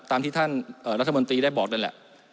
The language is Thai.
ตามที่ท่านรัฐมนตรีได้บอกนั่นแหละ